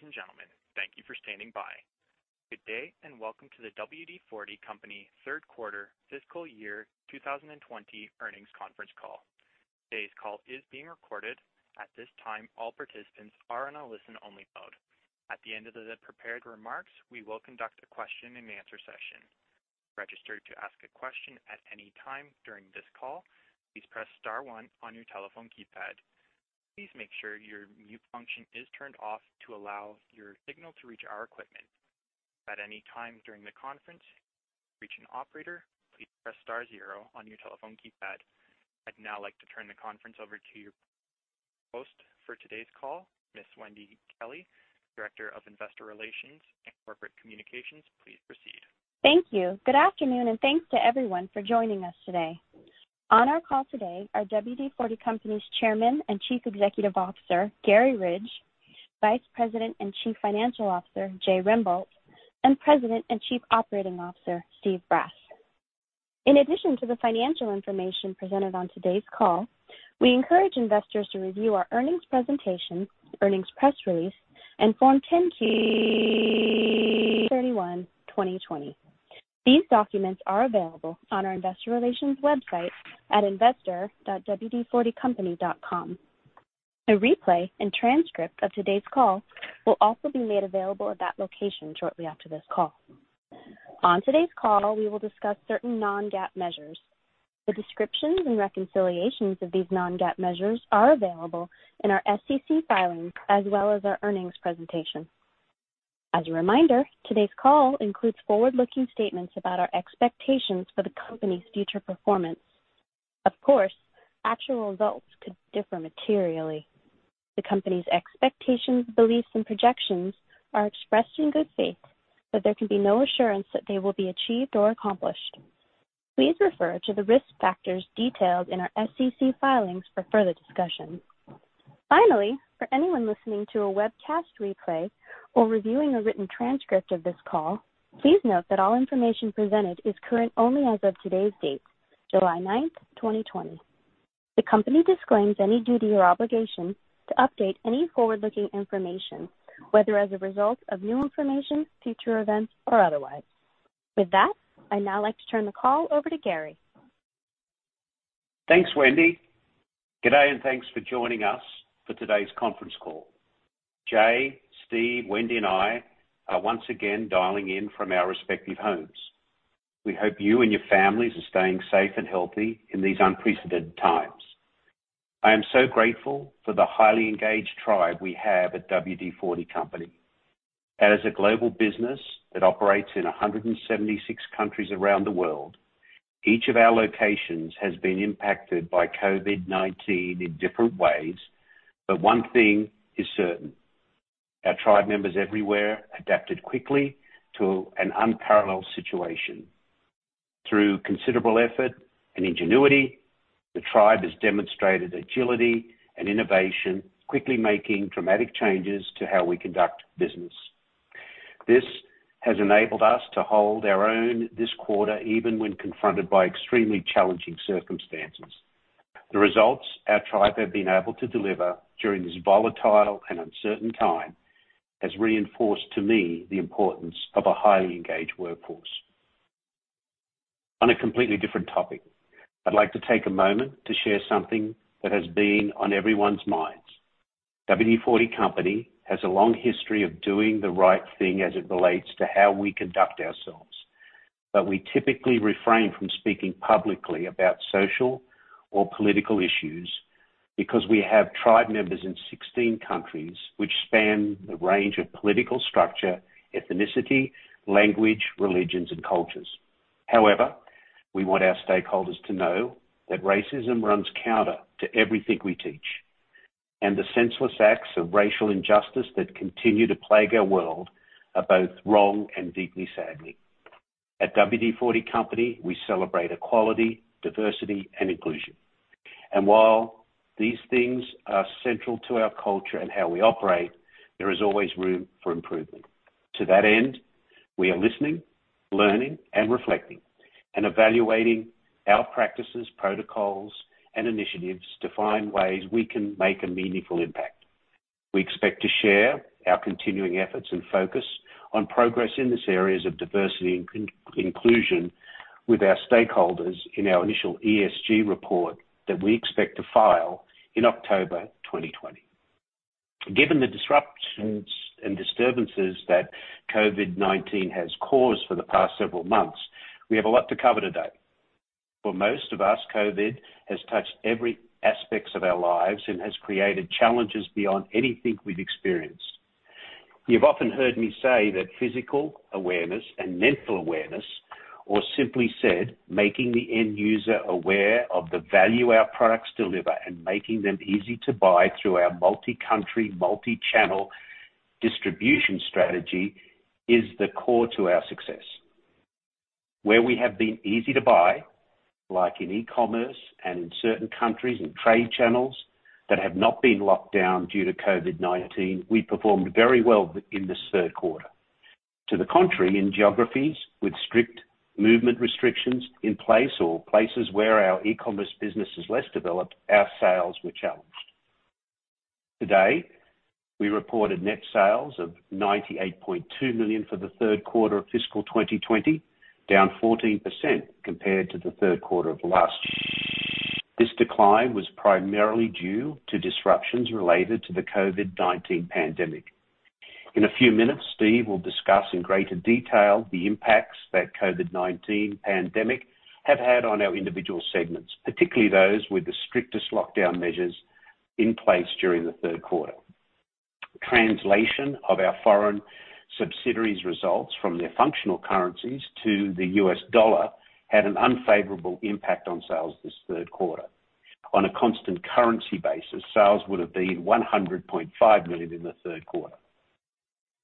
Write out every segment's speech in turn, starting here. Ladies and gentlemen, thank you for standing by. Good day, welcome to the WD-40 Company third quarter fiscal year 2020 earnings conference call. Today's call is being recorded. At this time, all participants are in a listen-only mode. At the end of the prepared remarks, we will conduct a question and answer session. To register to ask a question at any time during this call, please press star one on your telephone keypad. Please make sure your mute function is turned off to allow your signal to reach our equipment. At any time during the conference, to reach an operator, please press star zero on your telephone keypad. I'd now like to turn the conference over to your host for today's call, Ms. Wendy Kelley, Director of Investor Relations and Corporate Communications. Please proceed. Thank you. Good afternoon, and thanks to everyone for joining us today. On our call today are WD-40 Company's Chairman and Chief Executive Officer, Garry Ridge, Vice President and Chief Financial Officer, Jay Rembolt, and President and Chief Operating Officer, Steve Brass. In addition to the financial information presented on today's call, we encourage investors to review our earnings presentation, earnings press release, and [Form 10-Q 31, 2020]. These documents are available on our investor relations website at investor.wd40company.com. A replay and transcript of today's call will also be made available at that location shortly after this call. On today's call, we will discuss certain non-GAAP measures. The descriptions and reconciliations of these non-GAAP measures are available in our SEC filings, as well as our earnings presentation. As a reminder, today's call includes forward-looking statements about our expectations for the company's future performance. Of course, actual results could differ materially. The company's expectations, beliefs, and projections are expressed in good faith, but there can be no assurance that they will be achieved or accomplished. Please refer to the risk factors detailed in our SEC filings for further discussion. Finally, for anyone listening to a webcast replay or reviewing a written transcript of this call, please note that all information presented is current only as of today's date, July ninth, 2020. The company disclaims any duty or obligation to update any forward-looking information, whether as a result of new information, future events, or otherwise. With that, I'd now like to turn the call over to Garry. Thanks, Wendy. Good day, and thanks for joining us for today's conference call. Jay, Steve, Wendy, and I are once again dialing in from our respective homes. We hope you and your families are staying safe and healthy in these unprecedented times. I am so grateful for the highly engaged tribe we have at WD-40 Company. As a global business that operates in 176 countries around the world, each of our locations has been impacted by COVID-19 in different ways, but one thing is certain. Our tribe members everywhere adapted quickly to an unparalleled situation. Through considerable effort and ingenuity, the tribe has demonstrated agility and innovation, quickly making dramatic changes to how we conduct business. This has enabled us to hold our own this quarter, even when confronted by extremely challenging circumstances. The results our tribe have been able to deliver during this volatile and uncertain time has reinforced to me the importance of a highly engaged workforce. On a completely different topic, I'd like to take a moment to share something that has been on everyone's minds. WD-40 Company has a long history of doing the right thing as it relates to how we conduct ourselves. We typically refrain from speaking publicly about social or political issues because we have tribe members in 16 countries which span the range of political structure, ethnicity, language, religions, and cultures. We want our stakeholders to know that racism runs counter to everything we teach, and the senseless acts of racial injustice that continue to plague our world are both wrong and deeply saddening. At WD-40 Company, we celebrate equality, diversity, and inclusion. While these things are central to our culture and how we operate, there is always room for improvement. To that end, we are listening, learning, and reflecting and evaluating our practices, protocols, and initiatives to find ways we can make a meaningful impact. We expect to share our continuing efforts and focus on progress in these areas of diversity and inclusion with our stakeholders in our initial ESG report that we expect to file in October 2020. Given the disruptions and disturbances that COVID-19 has caused for the past several months, we have a lot to cover today. For most of us, COVID has touched every aspect of our lives and has created challenges beyond anything we've experienced. You've often heard me say that physical awareness and mental awareness, or simply said, making the end user aware of the value our products deliver and making them easy to buy through our multi-country, multi-channel distribution strategy is the core to our success. Where we have been easy to buy, like in e-commerce and certain countries and trade channels that have not been locked down due to COVID-19, we performed very well in this third quarter. To the contrary, in geographies with strict movement restrictions in place or places where our e-commerce business is less developed, our sales were challenged. Today, we reported net sales of $98.2 million for the third quarter of fiscal 2020, down 14% compared to the third quarter of last. This decline was primarily due to disruptions related to the COVID-19 pandemic. In a few minutes, Steve will discuss in greater detail the impacts that COVID-19 pandemic have had on our individual segments, particularly those with the strictest lockdown measures in place during the third quarter. Translation of our foreign subsidiaries results from their functional currencies to the U.S. dollar had an unfavorable impact on sales this third quarter. On a constant currency basis, sales would have been $100.5 million in the third quarter.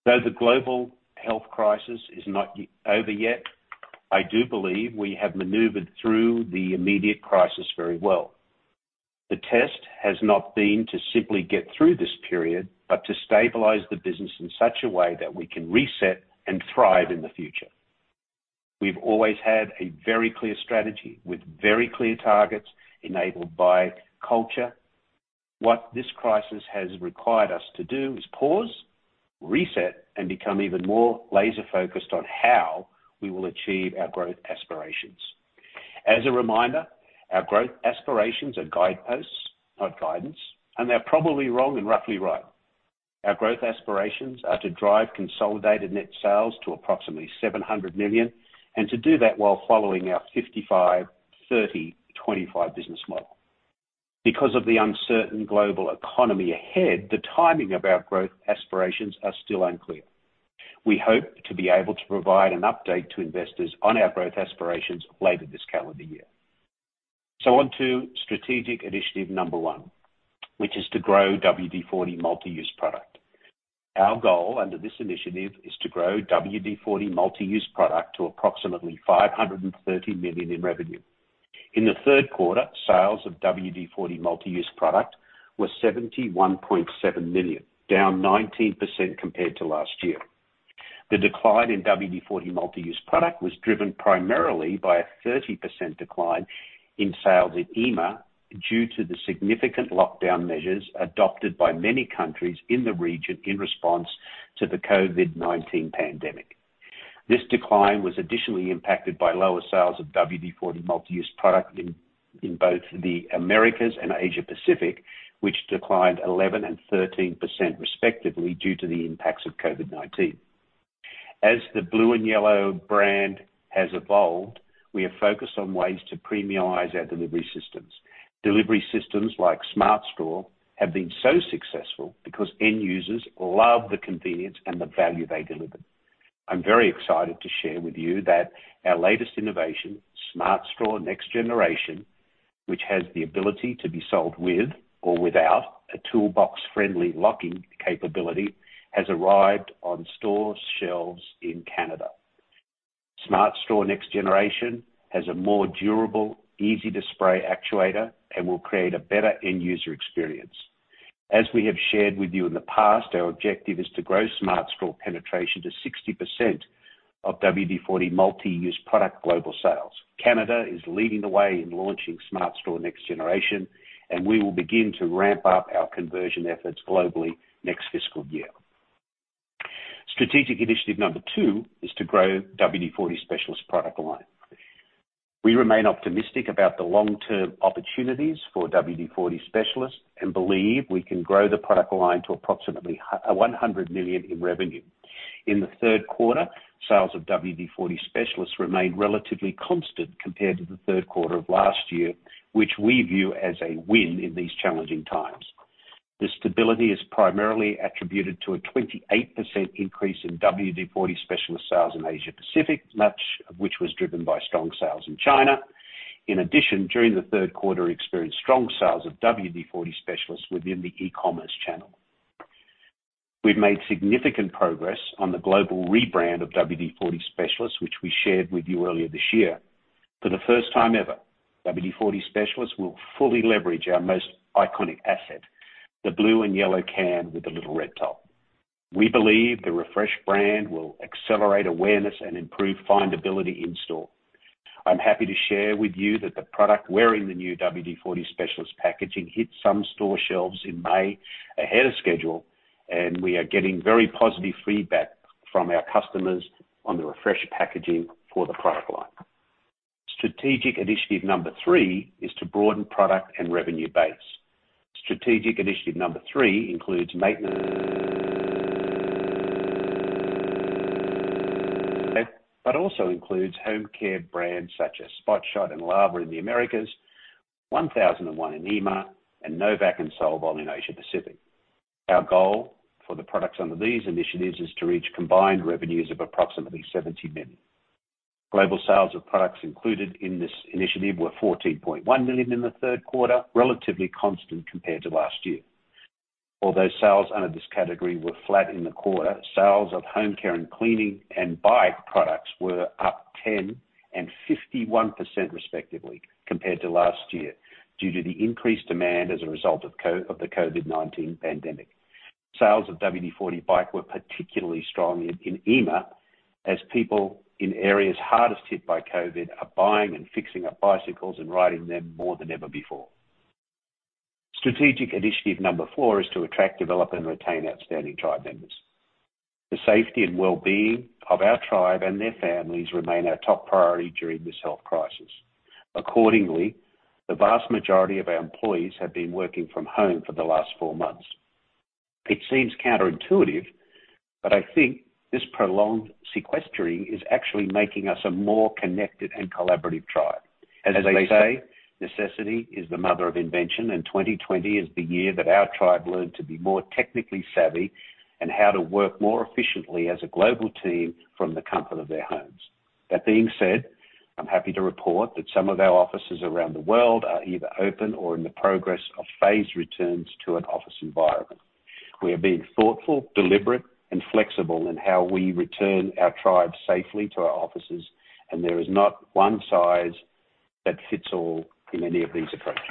Though the global health crisis is not over yet, I do believe we have maneuvered through the immediate crisis very well. The test has not been to simply get through this period, but to stabilize the business in such a way that we can reset and thrive in the future. We've always had a very clear strategy with very clear targets enabled by culture. What this crisis has required us to do is pause, reset, and become even more laser-focused on how we will achieve our growth aspirations. As a reminder, our growth aspirations are guideposts, not guidance, and they're probably wrong and roughly right. Our growth aspirations are to drive consolidated net sales to approximately $700 million, and to do that while following our 55/30/25 business model. Of the uncertain global economy ahead, the timing of our growth aspirations are still unclear. We hope to be able to provide an update to investors on our growth aspirations later this calendar year. On to strategic initiative number one, which is to grow WD-40 Multi-Use Product. Our goal under this initiative is to grow WD-40 Multi-Use Product to approximately $530 million in revenue. In the third quarter, sales of WD-40 Multi-Use Product were $71.7 million, down 19% compared to last year. The decline in WD-40 Multi-Use Product was driven primarily by a 30% decline in sales in EMEA due to the significant lockdown measures adopted by many countries in the region in response to the COVID-19 pandemic. This decline was additionally impacted by lower sales of WD-40 Multi-Use Product in both the Americas and Asia Pacific, which declined 11% and 13% respectively due to the impacts of COVID-19. As the blue and yellow brand has evolved, we have focused on ways to premiumize our delivery systems. Delivery systems like Smart Straw have been so successful because end users love the convenience and the value they deliver. I'm very excited to share with you that our latest innovation, Smart Straw Next Generation, which has the ability to be sold with or without a toolbox-friendly locking capability, has arrived on store shelves in Canada. Smart Straw Next Generation has a more durable, easy-to-spray actuator and will create a better end-user experience. As we have shared with you in the past, our objective is to grow Smart Straw penetration to 60% of WD-40 Multi-Use Product global sales. Canada is leading the way in launching Smart Straw Next Generation, and we will begin to ramp up our conversion efforts globally next fiscal year. Strategic initiative number 2 is to grow WD-40 Specialist product line. We remain optimistic about the long-term opportunities for WD-40 Specialist and believe we can grow the product line to approximately $100 million in revenue. In the third quarter, sales of WD-40 Specialist remained relatively constant compared to the third quarter of last year, which we view as a win in these challenging times. This stability is primarily attributed to a 28% increase in WD-40 Specialist sales in Asia Pacific, much of which was driven by strong sales in China. In addition, during the third quarter, experienced strong sales of WD-40 Specialist within the e-commerce channel. We've made significant progress on the global rebrand of WD-40 Specialist, which we shared with you earlier this year. For the first time ever, WD-40 Specialist will fully leverage our most iconic asset, the blue and yellow can with the little red top. We believe the refreshed brand will accelerate awareness and improve findability in store. I'm happy to share with you that the product wearing the new WD-40 Specialist packaging hit some store shelves in May ahead of schedule, and we are getting very positive feedback from our customers on the refreshed packaging for the product line. Strategic initiative number three is to broaden product and revenue base. Strategic initiative number three includes maintenance, but also includes home care brands such as Spot Shot and Lava in the Americas, 1001 in EMEA, and no vac and Solvol in Asia Pacific. Our goal for the products under these initiatives is to reach combined revenues of approximately $70 million. Global sales of products included in this initiative were $14.1 million in the third quarter, relatively constant compared to last year. Although sales under this category were flat in the quarter, sales of home care and cleaning and bike products were up 10% and 51% respectively compared to last year, due to the increased demand as a result of the COVID-19 pandemic. Sales of WD-40 BIKE were particularly strong in EMEA, as people in areas hardest hit by COVID-19 are buying and fixing up bicycles and riding them more than ever before. Strategic initiative number 4 is to attract, develop, and retain outstanding tribe members. The safety and wellbeing of our tribe and their families remain our top priority during this health crisis. Accordingly, the vast majority of our employees have been working from home for the last four months. It seems counterintuitive, but I think this prolonged sequestering is actually making us a more connected and collaborative tribe. As they say, necessity is the mother of invention, and 2020 is the year that our tribe learned to be more technically savvy and how to work more efficiently as a global team from the comfort of their homes. That being said, I'm happy to report that some of our offices around the world are either open or in the progress of phased returns to an office environment. We are being thoughtful, deliberate, and flexible in how we return our tribe safely to our offices, and there is not one size that fits all in any of these approaches.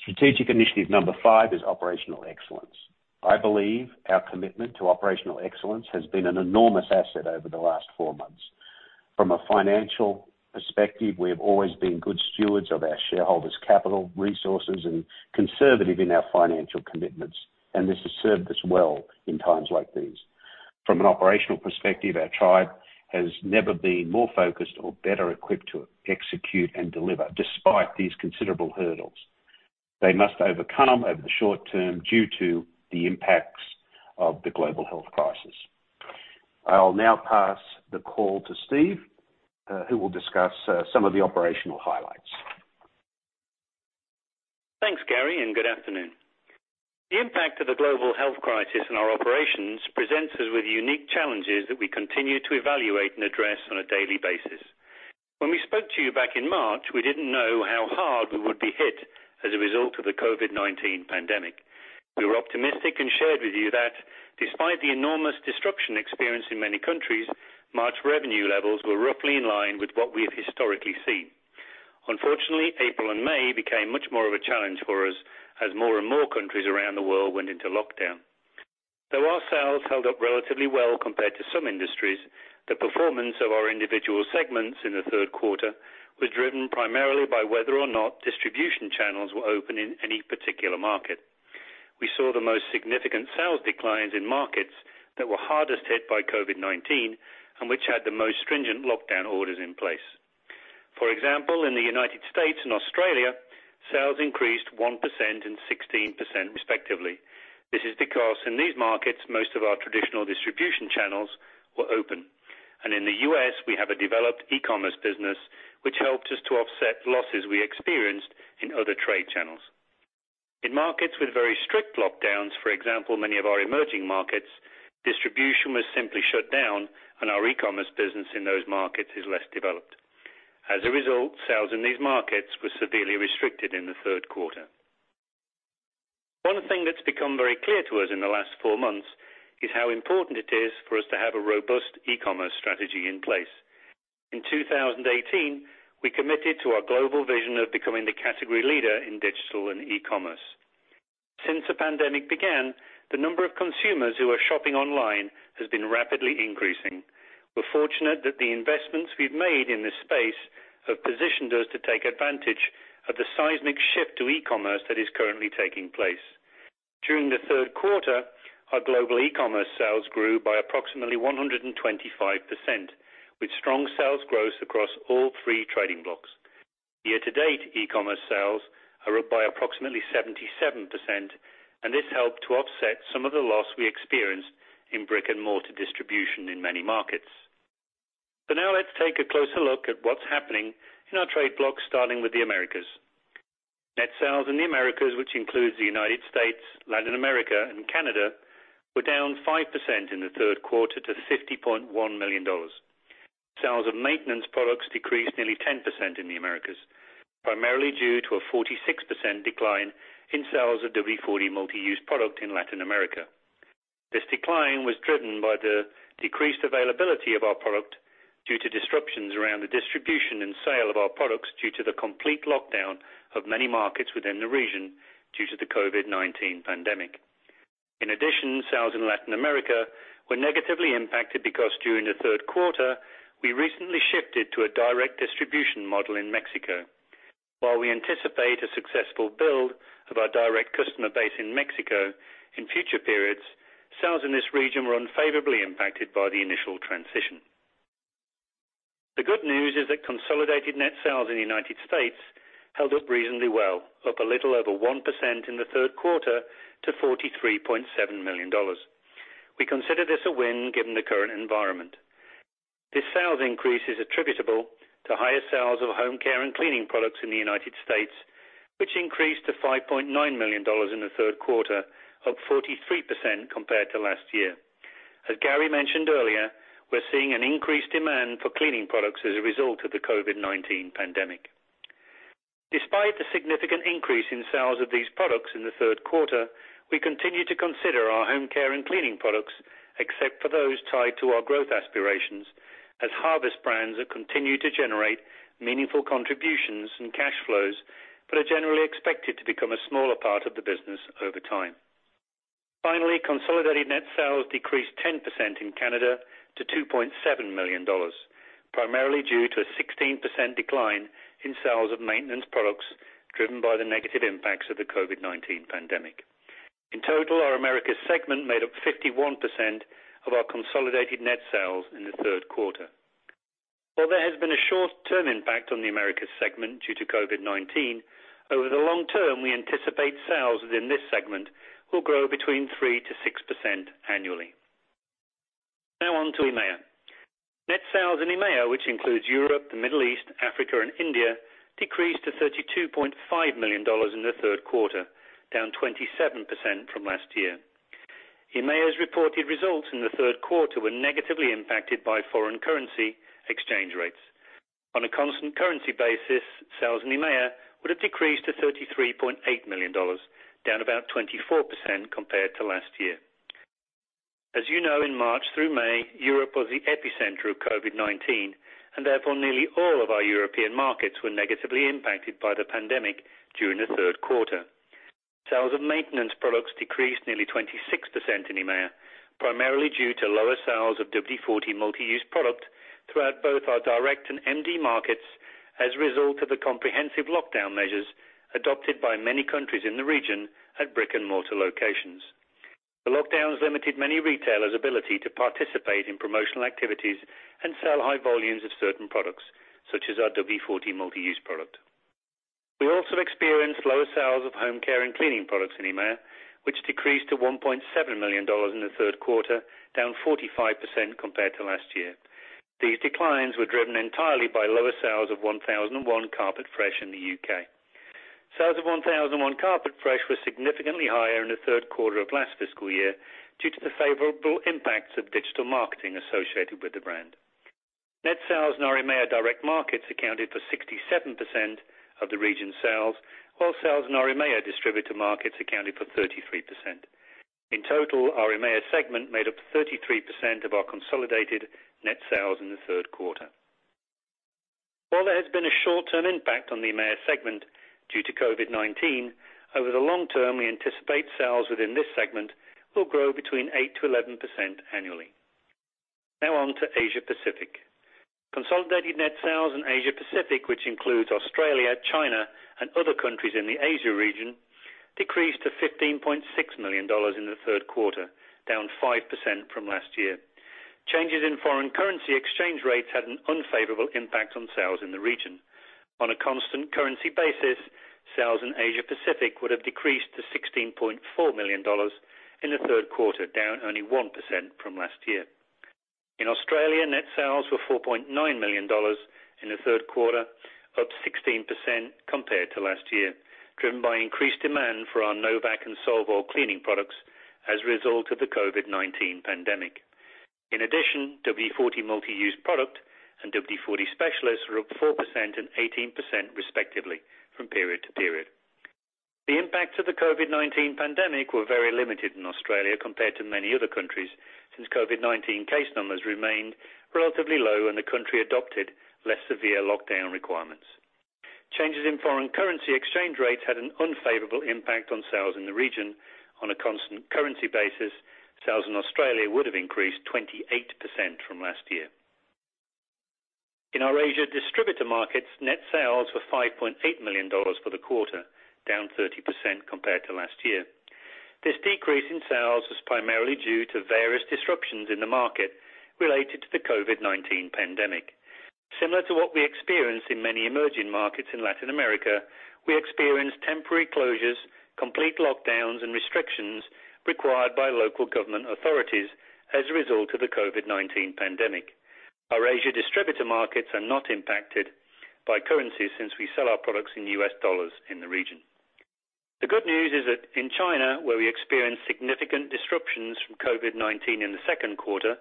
Strategic Initiative Number Five is Operational Excellence. I believe our commitment to Operational Excellence has been an enormous asset over the last four months. From a financial perspective, we have always been good stewards of our shareholders' capital, resources, and conservative in our financial commitments, and this has served us well in times like these. From an operational perspective, our tribe has never been more focused or better equipped to execute and deliver, despite these considerable hurdles. They must overcome over the short term due to the impacts of the global health crisis. I'll now pass the call to Steve, who will discuss some of the operational highlights. Thanks, Garry, and good afternoon. The impact of the global health crisis on our operations presents us with unique challenges that we continue to evaluate and address on a daily basis. When we spoke to you back in March, we didn't know how hard we would be hit as a result of the COVID-19 pandemic. We were optimistic and shared with you that despite the enormous disruption experienced in many countries, March revenue levels were roughly in line with what we've historically seen. Unfortunately, April and May became much more of a challenge for us as more and more countries around the world went into lockdown. Our sales held up relatively well compared to some industries, the performance of our individual segments in the third quarter was driven primarily by whether or not distribution channels were open in any particular market. We saw the most significant sales declines in markets that were hardest hit by COVID-19 and which had the most stringent lockdown orders in place. For example, in the United States and Australia, sales increased 1% and 16% respectively. This is because in these markets, most of our traditional distribution channels were open. In the U.S., we have a developed e-commerce business, which helped us to offset losses we experienced in other trade channels. In markets with very strict lockdowns, for example, many of our emerging markets, distribution was simply shut down and our e-commerce business in those markets is less developed. As a result, sales in these markets were severely restricted in the third quarter. One thing that's become very clear to us in the last four months is how important it is for us to have a robust e-commerce strategy in place. In 2018, we committed to our global vision of becoming the category leader in digital and e-commerce. Since the pandemic began, the number of consumers who are shopping online has been rapidly increasing. We're fortunate that the investments we've made in this space have positioned us to take advantage of the seismic shift to e-commerce that is currently taking place. During the third quarter, our global e-commerce sales grew by approximately 125%, with strong sales growth across all three trading blocks. Year to date, e-commerce sales are up by approximately 77%, and this helped to offset some of the loss we experienced in brick-and-mortar distribution in many markets. Now let's take a closer look at what's happening in our trade blocks, starting with the Americas. Net sales in the Americas, which includes the United States, Latin America, and Canada, were down 5% in the third quarter to $50.1 million. Sales of maintenance products decreased nearly 10% in the Americas, primarily due to a 46% decline in sales of WD-40 Multi-Use Product in Latin America. This decline was driven by the decreased availability of our product due to disruptions around the distribution and sale of our products due to the complete lockdown of many markets within the region due to the COVID-19 pandemic. In addition, sales in Latin America were negatively impacted because during the third quarter, we recently shifted to a direct distribution model in Mexico. While we anticipate a successful build of our direct customer base in Mexico, in future periods, sales in this region were unfavorably impacted by the initial transition. The good news is that consolidated net sales in the United States held up reasonably well. Up a little over 1% in the third quarter to $43.7 million. We consider this a win given the current environment. This sales increase is attributable to higher sales of home care and cleaning products in the United States, which increased to $5.9 million in the third quarter, up 43% compared to last year. As Garry mentioned earlier, we're seeing an increased demand for cleaning products as a result of the COVID-19 pandemic. A significant increase in sales of these products in the third quarter, we continue to consider our home care and cleaning products, except for those tied to our growth aspirations, as harvest brands that continue to generate meaningful contributions and cash flows, but are generally expected to become a smaller part of the business over time. Finally, consolidated net sales decreased 10% in Canada to $2.7 million, primarily due to a 16% decline in sales of maintenance products driven by the negative impacts of the COVID-19 pandemic. In total, our Americas segment made up 51% of our consolidated net sales in the third quarter. While there has been a short-term impact on the Americas segment due to COVID-19, over the long term, we anticipate sales within this segment will grow between 3% to 6% annually. Now on to EMEA. Net sales in EMEA, which includes Europe, the Middle East, Africa, and India, decreased to $32.5 million in the third quarter, down 27% from last year. EMEA's reported results in the third quarter were negatively impacted by foreign currency exchange rates. On a constant currency basis, sales in EMEA would have decreased to $33.8 million, down about 24% compared to last year. As you know, in March through May, Europe was the epicenter of COVID-19. Therefore, nearly all of our European markets were negatively impacted by the pandemic during the third quarter. Sales of maintenance products decreased nearly 26% in EMEA, primarily due to lower sales of WD-40 Multi-Use Product throughout both our direct and MD markets as a result of the comprehensive lockdown measures adopted by many countries in the region at brick-and-mortar locations. The lockdowns limited many retailers' ability to participate in promotional activities and sell high volumes of certain products, such as our WD-40 Multi-Use Product. We also experienced lower sales of home care and cleaning products in EMEA, which decreased to $1.7 million in the third quarter, down 45% compared to last year. These declines were driven entirely by lower sales of 1001 Carpet Fresh in the U.K. Sales of 1001 Carpet Fresh were significantly higher in the third quarter of last fiscal year due to the favorable impacts of digital marketing associated with the brand. Net sales in our EMEA direct markets accounted for 67% of the region's sales, while sales in our EMEA distributor markets accounted for 33%. In total, our EMEA segment made up 33% of our consolidated net sales in the third quarter. While there has been a short-term impact on the EMEA segment due to COVID-19, over the long term, we anticipate sales within this segment will grow between 8%-11% annually. Now on to Asia Pacific. Consolidated net sales in Asia Pacific, which includes Australia, China, and other countries in the Asia region, decreased to $15.6 million in the third quarter, down 5% from last year. Changes in foreign currency exchange rates had an unfavorable impact on sales in the region. On a constant currency basis, sales in Asia Pacific would have decreased to $16.4 million in the third quarter, down only 1% from last year. In Australia, net sales were $4.9 million in the third quarter, up 16% compared to last year, driven by increased demand for our no vac and Solvol cleaning products as a result of the COVID-19 pandemic. In addition, WD-40 Multi-Use Product and WD-40 Specialist were up 4% and 18% respectively from period to period. The impacts of the COVID-19 pandemic were very limited in Australia compared to many other countries since COVID-19 case numbers remained relatively low and the country adopted less severe lockdown requirements. Changes in foreign currency exchange rates had an unfavorable impact on sales in the region. On a constant currency basis, sales in Australia would have increased 28% from last year. In our Asia distributor markets, net sales were $5.8 million for the quarter, down 30% compared to last year. This decrease in sales was primarily due to various disruptions in the market related to the COVID-19 pandemic. Similar to what we experienced in many emerging markets in Latin America, we experienced temporary closures, complete lockdowns, and restrictions required by local government authorities as a result of the COVID-19 pandemic. Our Asia distributor markets are not impacted by currency since we sell our products in US dollars in the region. The good news is that in China, where we experienced significant disruptions from COVID-19 in the second quarter,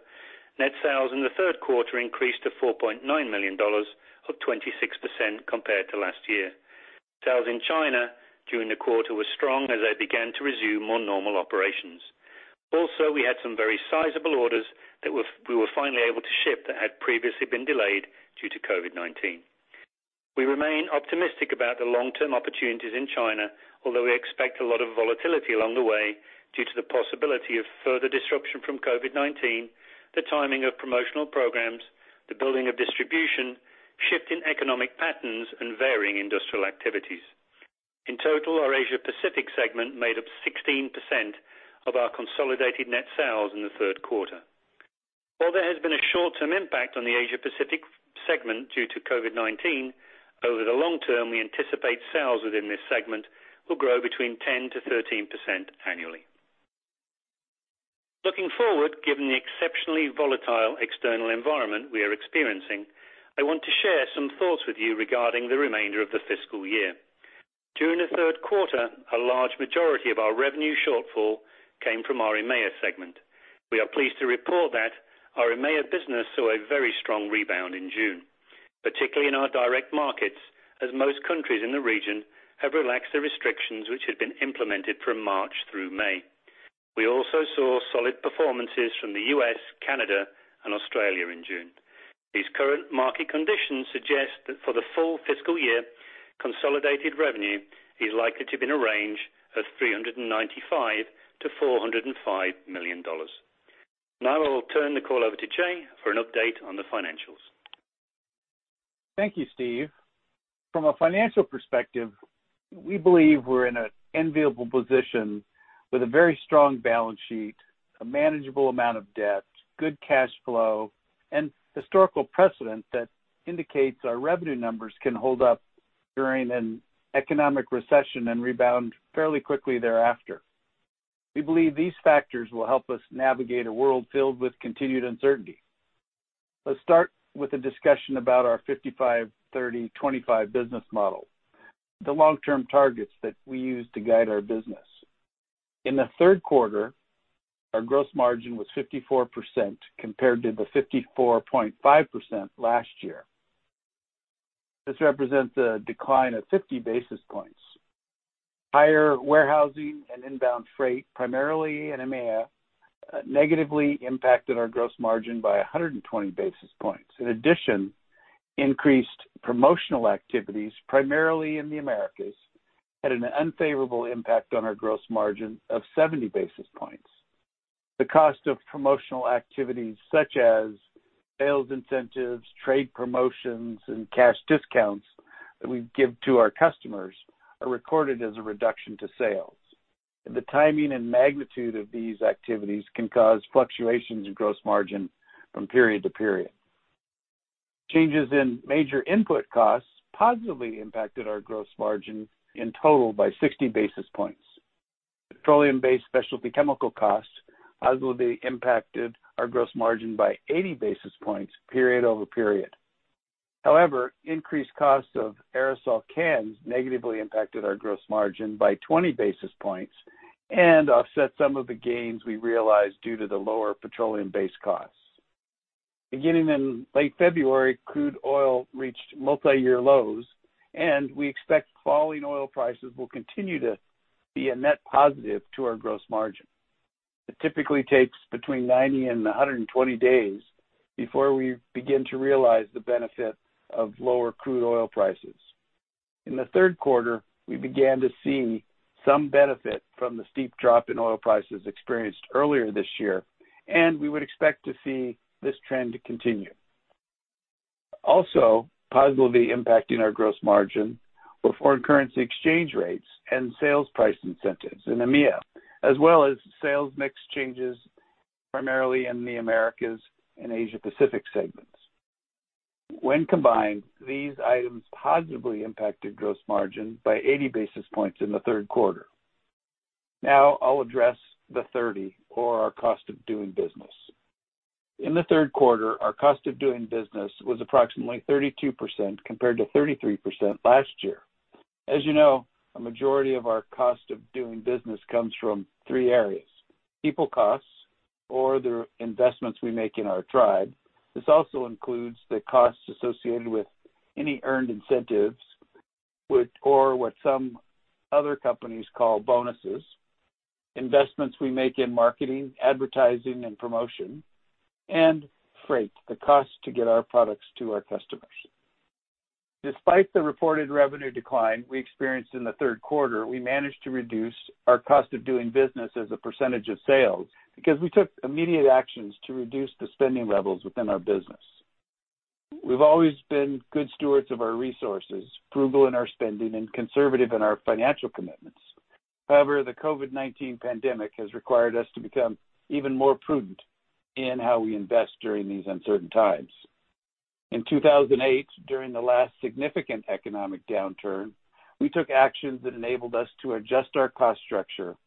net sales in the third quarter increased to $4.9 million, up 26% compared to last year. Sales in China during the quarter were strong as they began to resume more normal operations. We had some very sizable orders that we were finally able to ship that had previously been delayed due to COVID-19. We remain optimistic about the long-term opportunities in China, although we expect a lot of volatility along the way due to the possibility of further disruption from COVID-19, the timing of promotional programs, the building of distribution, shift in economic patterns, and varying industrial activities. In total, our Asia Pacific Segment made up 16% of our consolidated net sales in the third quarter. While there has been a short-term impact on the Asia Pacific Segment due to COVID-19, over the long term, we anticipate sales within this segment will grow between 10%-13% annually. Looking forward, given the exceptionally volatile external environment we are experiencing, I want to share some thoughts with you regarding the remainder of the fiscal year. During the third quarter, a large majority of our revenue shortfall came from our EMEA segment. We are pleased to report that our EMEA business saw a very strong rebound in June, particularly in our direct markets, as most countries in the region have relaxed the restrictions which had been implemented from March through May. We also saw solid performances from the U.S., Canada, and Australia in June. These current market conditions suggest that for the full fiscal year, consolidated revenue is likely to be in a range of $395 million-$405 million. Now I will turn the call over to Jay for an update on the financials. Thank you, Steve. From a financial perspective, we believe we're in an enviable position with a very strong balance sheet, a manageable amount of debt, good cash flow, and historical precedent that indicates our revenue numbers can hold up during an economic recession and rebound fairly quickly thereafter. We believe these factors will help us navigate a world filled with continued uncertainty. Let's start with a discussion about our 55/30/25 business model, the long-term targets that we use to guide our business. In the third quarter, our gross margin was 54% compared to the 54.5% last year. This represents a decline of 50 basis points. Higher warehousing and inbound freight, primarily in EMEA, negatively impacted our gross margin by 120 basis points. In addition, increased promotional activities, primarily in the Americas, had an unfavorable impact on our gross margin of 70 basis points. The cost of promotional activities such as sales incentives, trade promotions, and cash discounts that we give to our customers, are recorded as a reduction to sales. The timing and magnitude of these activities can cause fluctuations in gross margin from period to period. Changes in major input costs positively impacted our gross margin in total by 60 basis points. Petroleum-based specialty chemical costs positively impacted our gross margin by 80 basis points period-over-period. However, increased costs of aerosol cans negatively impacted our gross margin by 20 basis points and offset some of the gains we realized due to the lower petroleum-based costs. Beginning in late February, crude oil reached multi-year lows, and we expect falling oil prices will continue to be a net positive to our gross margin. It typically takes between 90 and 120 days before we begin to realize the benefit of lower crude oil prices. In the third quarter, we began to see some benefit from the steep drop in oil prices experienced earlier this year. We would expect to see this trend continue. Also positively impacting our gross margin were foreign currency exchange rates and sales price incentives in EMEA, as well as sales mix changes primarily in the Americas and Asia Pacific segments. When combined, these items positively impacted gross margin by 80 basis points in the third quarter. Now I'll address the 30, or our cost of doing business. In the third quarter, our cost of doing business was approximately 32% compared to 33% last year. As you know, a majority of our cost of doing business comes from three areas: people costs or the investments we make in our tribe. This also includes the costs associated with any earned incentives or what some other companies call bonuses. Investments we make in marketing, advertising, and promotion. Freight, the cost to get our products to our customers. Despite the reported revenue decline we experienced in the third quarter, we managed to reduce our cost of doing business as a percentage of sales because we took immediate actions to reduce the spending levels within our business. We've always been good stewards of our resources, frugal in our spending, and conservative in our financial commitments. However, the COVID-19 pandemic has required us to become even more prudent in how we invest during these uncertain times. In 2008, during the last significant economic downturn, we took actions that enabled us to adjust our cost structure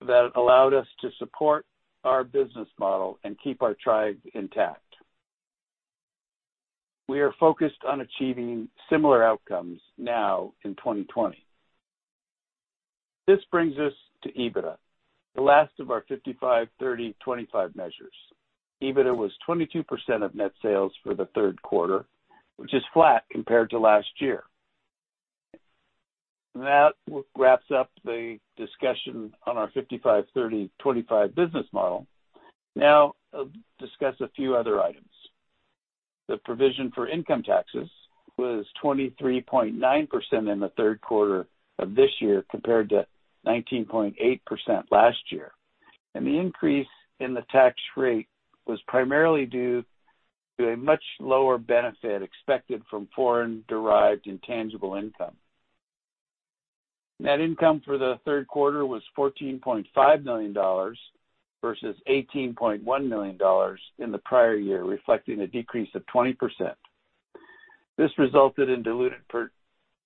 that allowed us to support our business model and keep our tribe intact. We are focused on achieving similar outcomes now in 2020. This brings us to EBITDA, the last of our 55/30/25 measures. EBITDA was 22% of net sales for the third quarter, which is flat compared to last year. That wraps up the discussion on our 55/30/25 business model. Now, I'll discuss a few other items. The provision for income taxes was 23.9% in the third quarter of this year, compared to 19.8% last year, and the increase in the tax rate was primarily due to a much lower benefit expected from foreign-derived intangible income. Net income for the third quarter was $14.5 million, versus $18.1 million in the prior year, reflecting a decrease of 20%. This resulted in diluted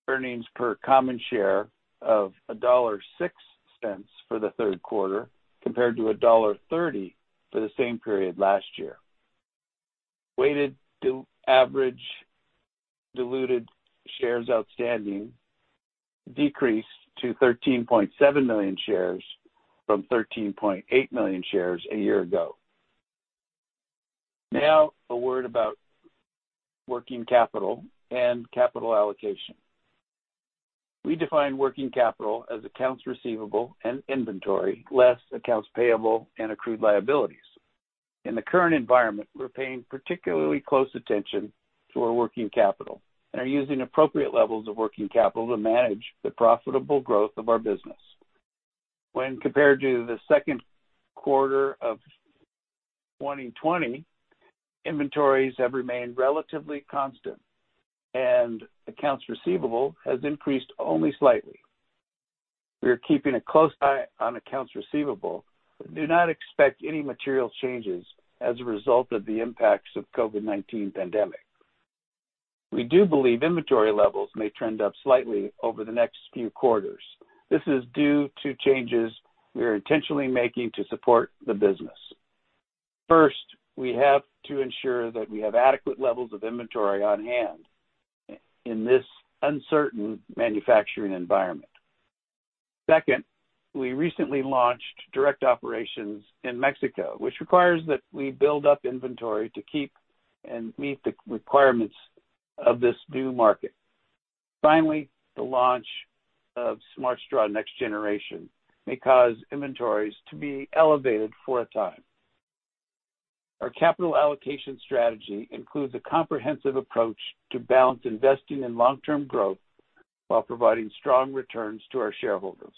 earnings per common share of $1.06 for the third quarter compared to $1.30 for the same period last year. Weighted to average diluted shares outstanding decreased to 13.7 million shares from 13.8 million shares a year ago. Now a word about working capital and capital allocation. We define working capital as accounts receivable and inventory, less accounts payable and accrued liabilities. In the current environment, we're paying particularly close attention to our working capital and are using appropriate levels of working capital to manage the profitable growth of our business. When compared to the second quarter of 2020, inventories have remained relatively constant, and accounts receivable has increased only slightly. We are keeping a close eye on accounts receivable, but do not expect any material changes as a result of the impacts of COVID-19 pandemic. We do believe inventory levels may trend up slightly over the next few quarters. This is due to changes we are intentionally making to support the business. First, we have to ensure that we have adequate levels of inventory on hand in this uncertain manufacturing environment. Second, we recently launched direct operations in Mexico, which requires that we build up inventory to keep and meet the requirements of this new market. Finally, the launch of Smart Straw Next Generation may cause inventories to be elevated for a time. Our capital allocation strategy includes a comprehensive approach to balance investing in long-term growth while providing strong returns to our shareholders.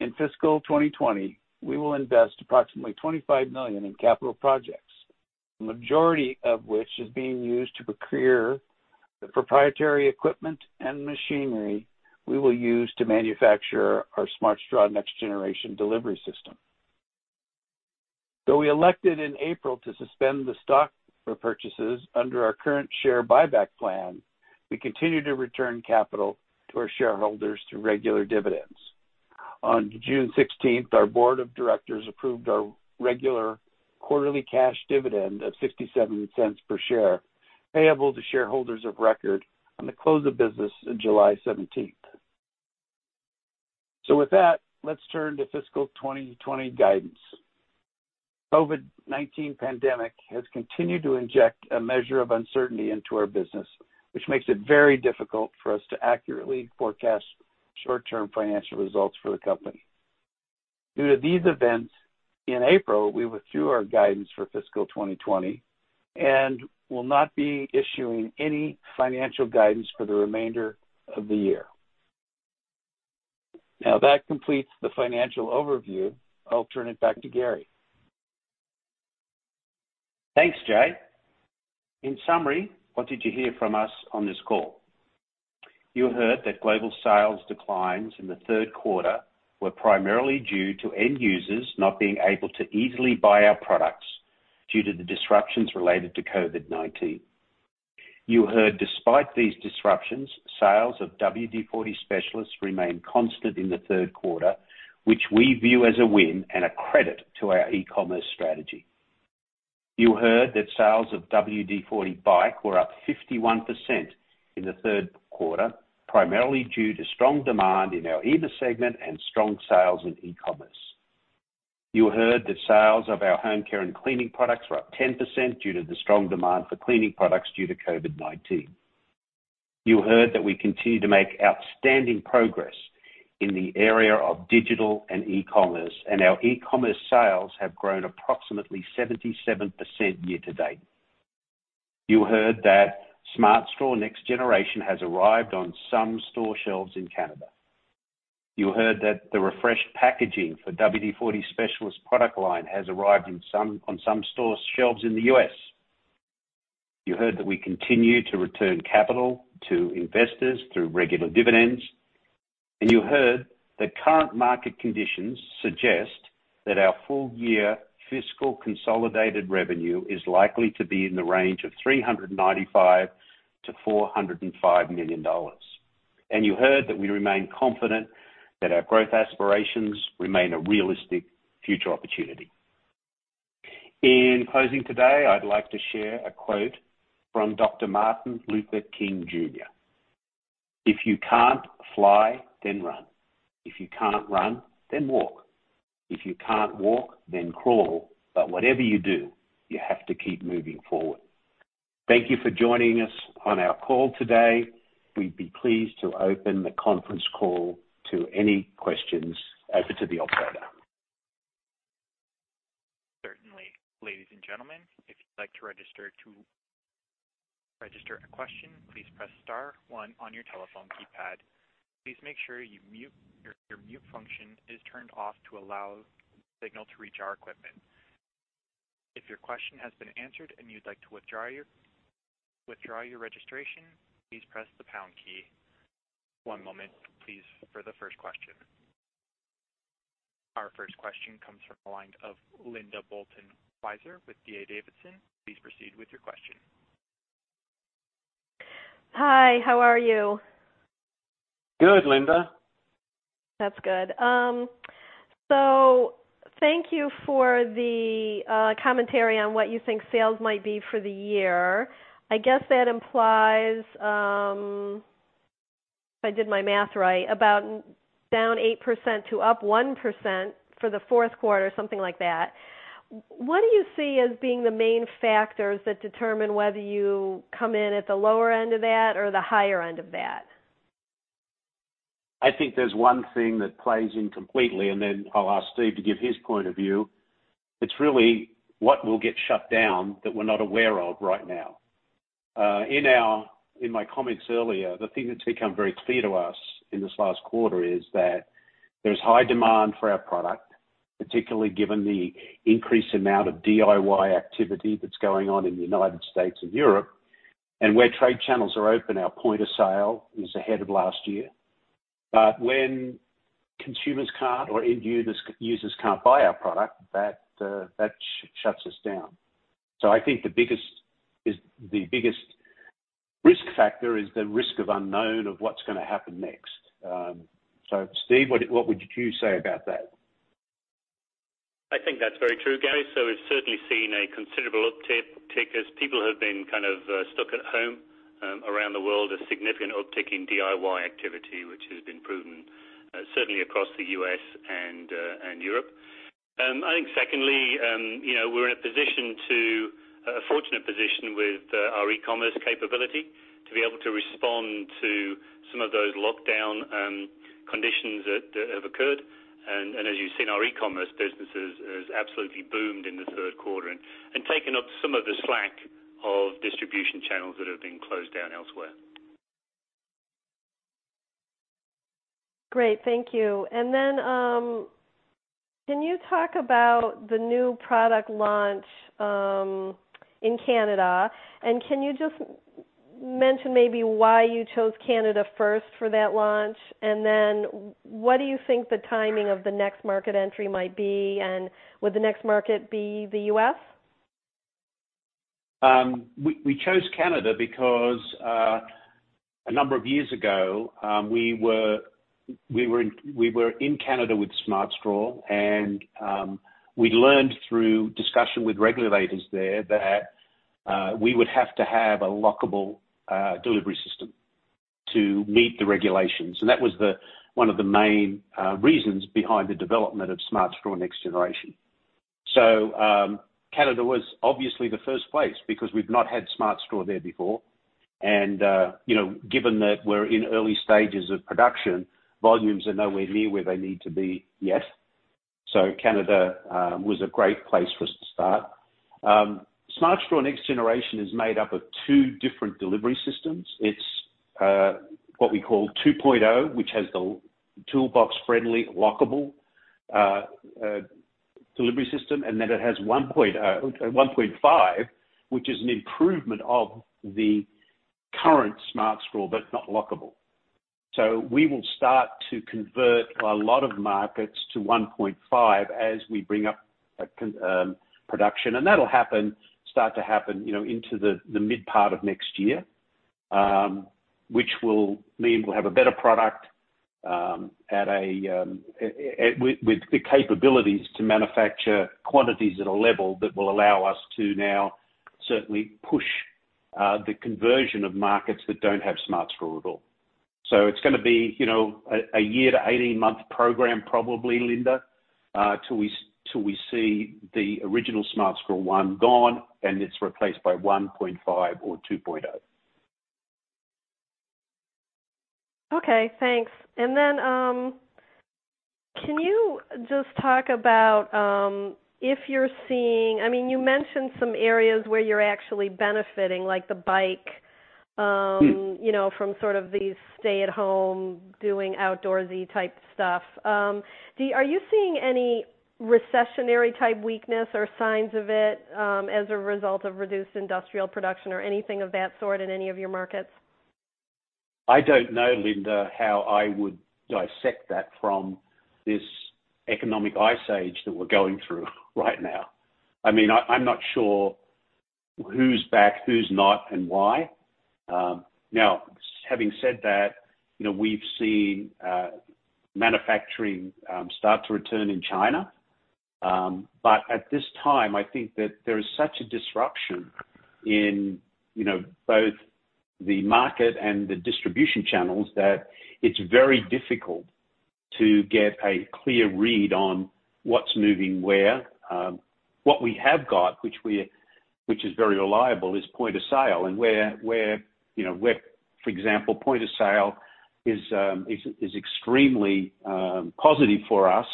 In fiscal 2020, we will invest approximately $25 million in capital projects, the majority of which is being used to procure the proprietary equipment and machinery we will use to manufacture our Smart Straw Next Generation delivery system. Though we elected in April to suspend the stock repurchases under our current share buyback plan, we continue to return capital to our shareholders through regular dividends. On June 16th, our board of directors approved our regular quarterly cash dividend of $0.67 per share, payable to shareholders of record on the close of business in July 17th. Let's turn to fiscal 2020 guidance. COVID-19 pandemic has continued to inject a measure of uncertainty into our business, which makes it very difficult for us to accurately forecast short-term financial results for the company. Due to these events, in April, we withdrew our guidance for fiscal 2020 and will not be issuing any financial guidance for the remainder of the year. Now, that completes the financial overview. I'll turn it back to Garry. Thanks, Jay. In summary, what did you hear from us on this call? You heard that global sales declines in the third quarter were primarily due to end users not being able to easily buy our products due to the disruptions related to COVID-19. You heard, despite these disruptions, sales of WD-40 Specialist remained constant in the third quarter, which we view as a win and a credit to our e-commerce strategy. You heard that sales of WD-40 BIKE were up 51% in the third quarter, primarily due to strong demand in our e-bike segment and strong sales in e-commerce. You heard that sales of our home care and cleaning products were up 10% due to the strong demand for cleaning products due to COVID-19. You heard that we continue to make outstanding progress in the area of digital and e-commerce, and our e-commerce sales have grown approximately 77% year to date. You heard that Smart Straw Next Generation has arrived on some store shelves in Canada. You heard that the refreshed packaging for WD-40 Specialist product line has arrived on some store shelves in the U.S. You heard that we continue to return capital to investors through regular dividends. You heard that current market conditions suggest that our full year fiscal consolidated revenue is likely to be in the range of $395 million-$405 million. You heard that we remain confident that our growth aspirations remain a realistic future opportunity. In closing today, I'd like to share a quote from Dr. Martin Luther King Jr. "If you can't fly, then run. If you can't run, then walk. If you can't walk, then crawl. Whatever you do, you have to keep moving forward." Thank you for joining us on our call today. We'd be pleased to open the conference call to any questions. Over to the operator. Certainly. Ladies and gentlemen, if you'd like to register a question, please press star one on your telephone keypad. Please make sure your mute function is turned off to allow the signal to reach our equipment. If your question has been answered and you'd like to withdraw your registration, please press the pound key. One moment, please, for the first question. Our first question comes from the line of Linda Bolton-Weiser with D.A. Davidson. Please proceed with your question Hi, how are you? Good, Linda. That's good. Thank you for the commentary on what you think sales might be for the year. I guess that implies, if I did my math right, about down 8% to up 1% for the fourth quarter, something like that. What do you see as being the main factors that determine whether you come in at the lower end of that or the higher end of that? I think there's one thing that plays in completely, then I'll ask Steve to give his point of view. It's really what will get shut down that we're not aware of right now. In my comments earlier, the thing that's become very clear to us in this last quarter is that there's high demand for our product, particularly given the increased amount of DIY activity that's going on in the U.S. and Europe. Where trade channels are open, our point of sale is ahead of last year. When consumers can't or end users can't buy our product, that shuts us down. I think the biggest risk factor is the risk of unknown of what's going to happen next. Steve, what would you say about that? I think that's very true, Garry. We've certainly seen a considerable uptick as people have been kind of stuck at home around the world, a significant uptick in DIY activity, which has been proven certainly across the U.S. and Europe. I think secondly, we're in a fortunate position with our e-commerce capability to be able to respond to some of those lockdown conditions that have occurred. As you've seen, our e-commerce business has absolutely boomed in this third quarter and taken up some of the slack of distribution channels that have been closed down elsewhere. Great. Thank you. Can you talk about the new product launch in Canada? Can you just mention maybe why you chose Canada first for that launch? What do you think the timing of the next market entry might be, and would the next market be the U.S.? We chose Canada because a number of years ago, we were in Canada with Smart Straw, and we learned through discussion with regulators there that we would have to have a lockable delivery system to meet the regulations. That was one of the main reasons behind the development of Smart Straw Next Generation. Canada was obviously the first place because we've not had Smart Straw there before. Given that we're in early stages of production, volumes are nowhere near where they need to be yet. Canada was a great place for us to start. Smart Straw Next Generation is made up of two different delivery systems. It's what we call 2.0, which has the toolbox-friendly, lockable delivery system, and then it has 1.5, which is an improvement of the current Smart Straw, but not lockable. We will start to convert a lot of markets to 1.5 as we bring up production. That'll start to happen into the mid part of next year, which will mean we'll have a better product with the capabilities to manufacture quantities at a level that will allow us to now certainly push the conversion of markets that don't have Smart Straw at all. It's going to be a year to 18-month program, probably, Linda, till we see the original Smart Straw 1 gone and it's replaced by 1.5 or 2.0. Okay, thanks. Can you just talk about if you're seeing You mentioned some areas where you're actually benefiting, like the bike, from sort of these stay-at-home, doing outdoorsy type stuff? Are you seeing any recessionary type weakness or signs of it as a result of reduced industrial production or anything of that sort in any of your markets? I don't know, Linda, how I would dissect that from this economic ice age that we're going through right now. I'm not sure who's back, who's not, and why. Having said that, we've seen manufacturing start to return in China. At this time, I think that there is such a disruption in both the market and the distribution channels that it's very difficult to get a clear read on what's moving where. What we have got, which is very reliable, is point of sale. Where, for example, point of sale is extremely positive for us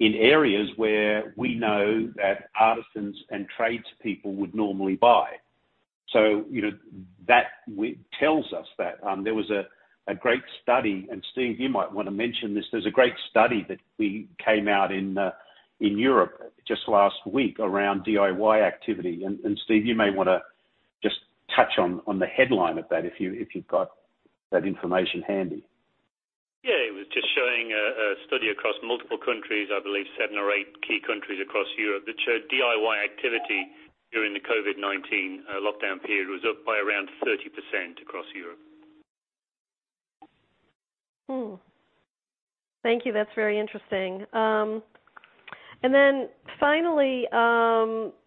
in areas where we know that artisans and tradespeople would normally buy. That tells us that. There was a great study, and Steve, you might want to mention this. There's a great study that we came out in Europe just last week around DIY activity. Steve, you may want to just touch on the headline of that if you've got that information handy. Yeah. It was just showing a study across multiple countries, I believe seven or eight key countries across Europe, that showed DIY activity during the COVID-19 lockdown period was up by around 30% across Europe. Thank you. That's very interesting. Finally,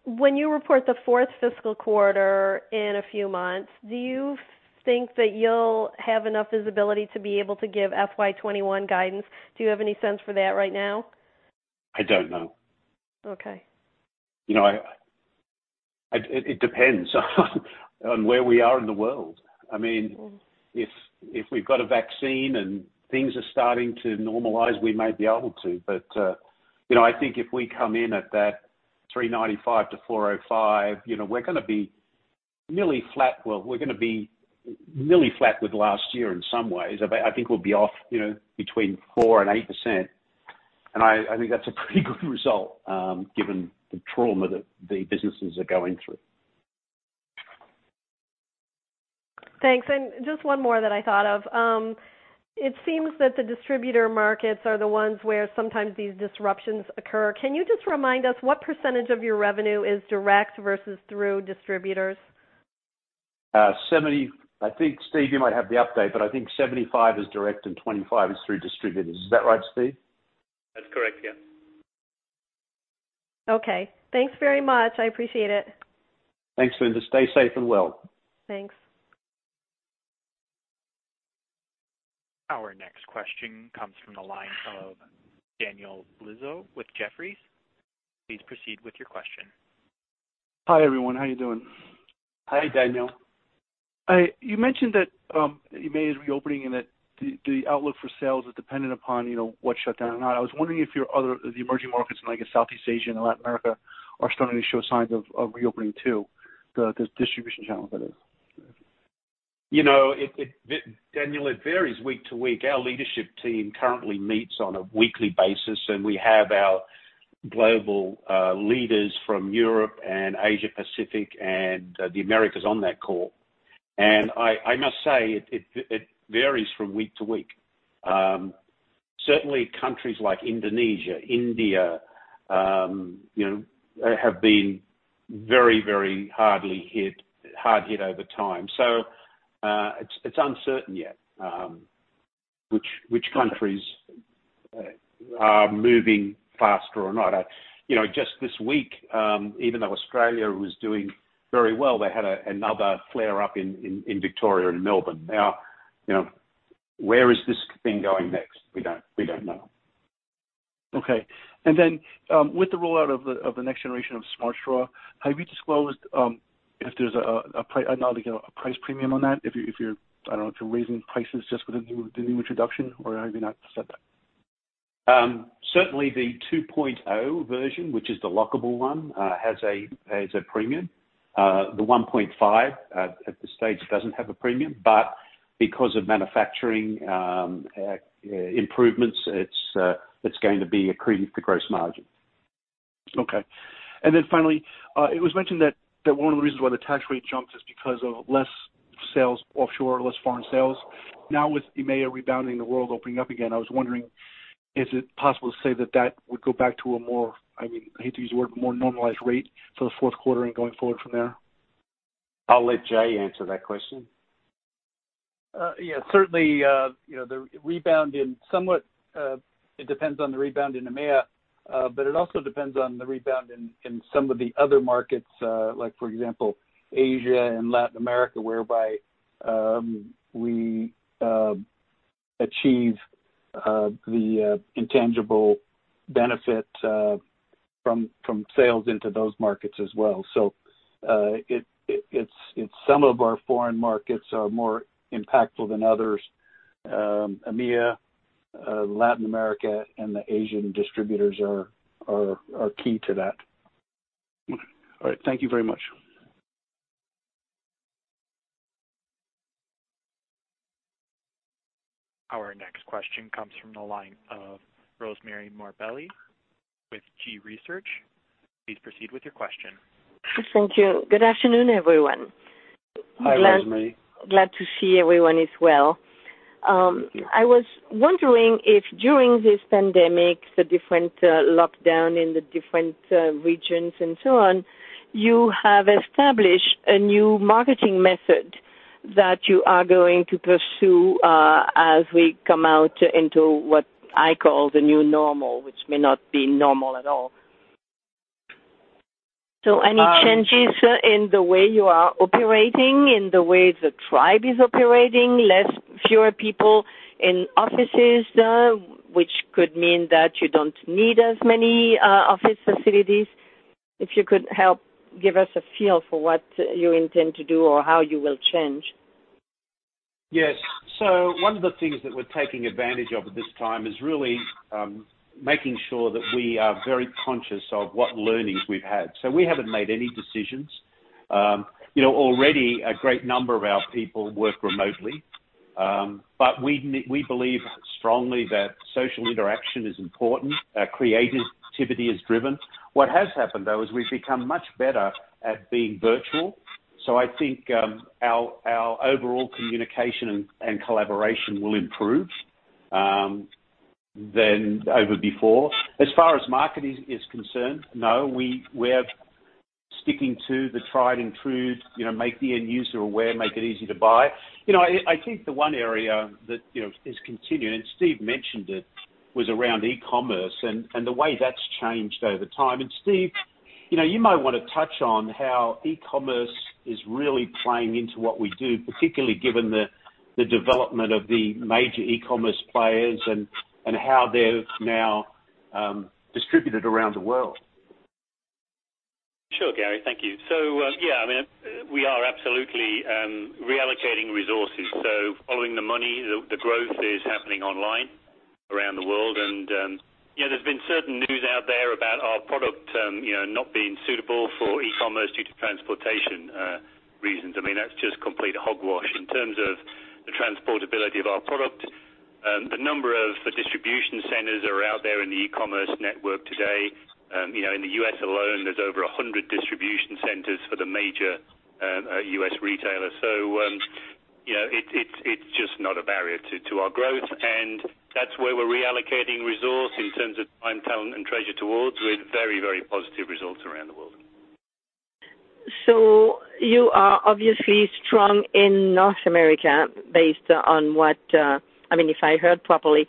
when you report the fourth fiscal quarter in a few months, do you think that you'll have enough visibility to be able to give FY 2021 guidance? Do you have any sense for that right now? I don't know. Okay. It depends on where we are in the world. If we've got a vaccine and things are starting to normalize, we may be able to. I think if we come in at that $395-$405, we're going to be nearly flat with last year in some ways. I think we'll be off between 4%-8%. I think that's a pretty good result, given the trauma that the businesses are going through. Thanks. Just one more that I thought of. It seems that the distributor markets are the ones where sometimes these disruptions occur. Can you just remind us what % of your revenue is direct versus through distributors? I think, Steve, you might have the update, but I think 75% is direct and 25% is through distributors. Is that right, Steve? That's correct, yeah. Okay. Thanks very much. I appreciate it. Thanks, Linda. Stay safe and well. Thanks. Our next question comes from the line of Daniel Rizzo with Jefferies. Please proceed with your question. Hi, everyone. How are you doing? Hi, Daniel. You mentioned that EMEA is reopening and that the outlook for sales is dependent upon what shut down or not. I was wondering if your other, the emerging markets in, I guess, Southeast Asia and Latin America are starting to show signs of reopening, too. The distribution channels, that is. Daniel, it varies week to week. Our leadership team currently meets on a weekly basis, and we have our global leaders from Europe and Asia-Pacific and the Americas on that call. I must say, it varies from week to week. Certainly, countries like Indonesia, India have been very hard hit over time. It's uncertain yet which countries are moving faster or not. Just this week, even though Australia was doing very well, they had another flare-up in Victoria and Melbourne. Now, where is this thing going next? We don't know. Okay. With the rollout of the next generation of Smart Straw, have you disclosed if there's a price premium on that? If you're raising prices just with the new introduction, or have you not said that? Certainly the 2.0 version, which is the lockable one, has a premium. The 1.5, at this stage, doesn't have a premium. Because of manufacturing improvements, it's going to be accretive to gross margin. Okay. Finally, it was mentioned that one of the reasons why the tax rate jumped is because of less sales offshore, less foreign sales. Now, with EMEA rebounding, the world opening up again, I was wondering, is it possible to say that that would go back to a more, I mean, I hate to use the word, more normalized rate for the fourth quarter and going forward from there? I'll let Jay answer that question. Yeah. Certainly, it depends on the rebound in EMEA, but it also depends on the rebound in some of the other markets, like for example, Asia and Latin America, whereby we achieve the intangible benefit from sales into those markets as well. Some of our foreign markets are more impactful than others. EMEA, Latin America, and the Asian distributors are key to that. All right. Thank you very much. Our next question comes from the line of Rosemarie Morbelli with G.research. Please proceed with your question. Thank you. Good afternoon, everyone. Hi, Rosemarie. Glad to see everyone is well. I was wondering if during this pandemic, the different lockdown in the different regions and so on, you have established a new marketing method that you are going to pursue as we come out into what I call the new normal, which may not be normal at all. Any changes in the way you are operating, in the way the tribe is operating, less, fewer people in offices, which could mean that you don't need as many office facilities? If you could help give us a feel for what you intend to do or how you will change? Yes. One of the things that we're taking advantage of at this time is really making sure that we are very conscious of what learnings we've had. We haven't made any decisions. Already, a great number of our people work remotely. We believe strongly that social interaction is important. Creativity is driven. What has happened, though, is we've become much better at being virtual. I think our overall communication and collaboration will improve than ever before. As far as market is concerned, no, we're sticking to the tried and true, make the end user aware, make it easy to buy. I think the one area that is continuing, Steve mentioned it, was around e-commerce and the way that's changed over time. Steve, you might want to touch on how e-commerce is really playing into what we do, particularly given the development of the major e-commerce players and how they're now distributed around the world. Sure, Garry, thank you. Yeah, we are absolutely reallocating resources. Following the money, the growth is happening online around the world. There's been certain news out there about our product not being suitable for e-commerce due to transportation reasons. That's just complete hogwash. In terms of the transportability of our product, the number of distribution centers are out there in the e-commerce network today. In the U.S. alone, there's over 100 distribution centers for the major U.S. retailers. It's just not a barrier to our growth, and that's where we're reallocating resource in terms of time, talent, and treasure towards, with very, very positive results around the world. You are obviously strong in North America based on what If I heard properly.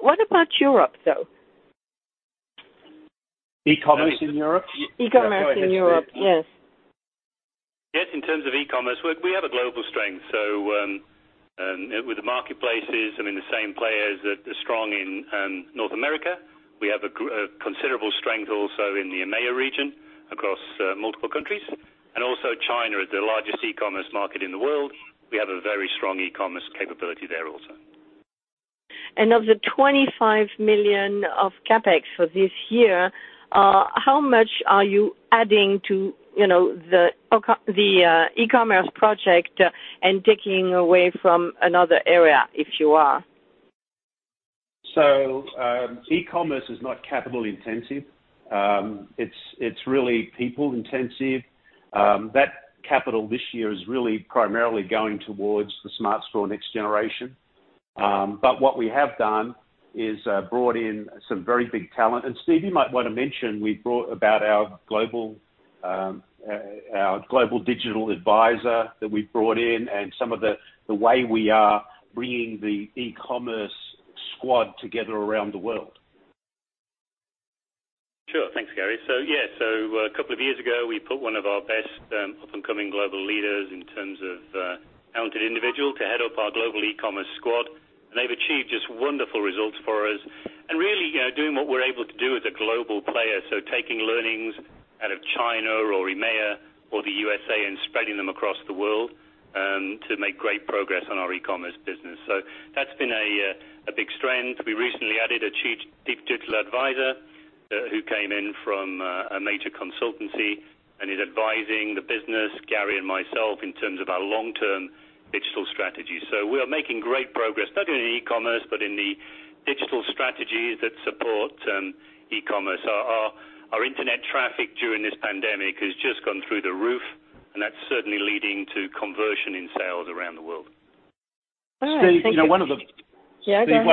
What about Europe, though? e-commerce in Europe? e-commerce in Europe, yes. Yes, in terms of e-commerce, we have a global strength. With the marketplaces, I mean, the same players that are strong in North America. We have a considerable strength also in the EMEA region across multiple countries. China is the largest e-commerce market in the world. We have a very strong e-commerce capability there also. Of the $25 million of CapEx for this year, how much are you adding to the e-commerce project and taking away from another area, if you are? e-commerce is not capital intensive. It's really people intensive. That capital this year is really primarily going towards the Smart Straw Next Generation. What we have done is brought in some very big talent. Steve, you might want to mention, we've brought about our global digital advisor that we've brought in and some of the way we are bringing the e-commerce squad together around the world. Sure. Thanks, Garry. Yeah, a couple of years ago, we put one of our best up-and-coming global leaders in terms of talented individual to head up our global e-commerce squad. They've achieved just wonderful results for us and really, doing what we're able to do as a global player. Taking learnings out of China or EMEA or the USA and spreading them across the world to make great progress on our e-commerce business. That's been a big strength. We recently added a chief digital advisor who came in from a major consultancy and is advising the business, Garry and myself, in terms of our long-term digital strategy. We are making great progress, not only in e-commerce, but in the digital strategies that support e-commerce. Our Internet traffic during this pandemic has just gone through the roof. That's certainly leading to conversion in sales around the world. All right. Thank you. Steve. Yeah, go ahead.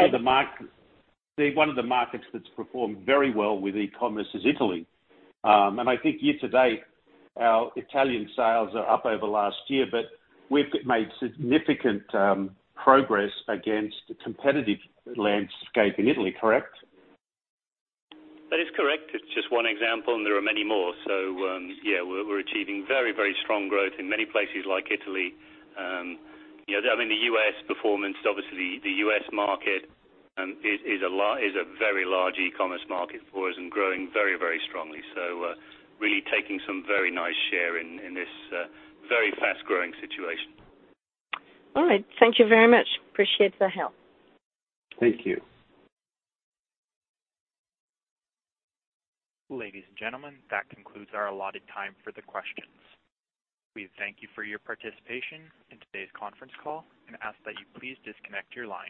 One of the markets that's performed very well with e-commerce is Italy. I think year to date, our Italian sales are up over last year, but we've made significant progress against the competitive landscape in Italy, correct? That is correct. It's just one example, and there are many more. Yeah, we're achieving very, very strong growth in many places like Italy. The U.S. performance, obviously, the U.S. market is a very large e-commerce market for us and growing very, very strongly. Really taking some very nice share in this very fast-growing situation. All right. Thank you very much. Appreciate the help. Thank you. Ladies and gentlemen, that concludes our allotted time for the questions. We thank you for your participation in today's conference call and ask that you please disconnect your line.